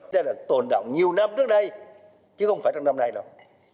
cho là tồn động nhiều năm trước đây chứ không phải trong năm nay đâu